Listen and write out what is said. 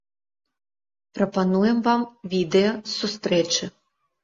Прапануем вам відэа з сустрэчы.